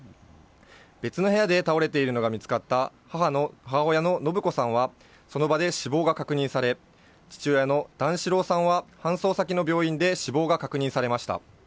別の部屋で倒れているのが見つかった母親の延子さんはその場で死亡が確認され、父親の段四郎さんは、搬送先の病院で死亡が確認されました。